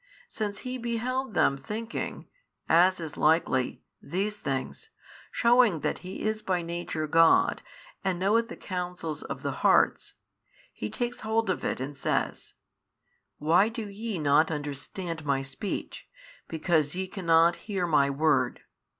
Since He beheld them thinking (as is likely) these things, shewing that He is by Nature God and knoweth the counsels of the hearts, He takes hold of it and says, Why do ye not understand My Speech? because ye cannot hear My Word.